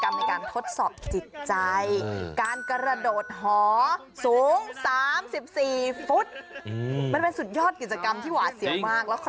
มันไปได้ทีละคน